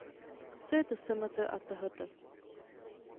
Co je to smt a tht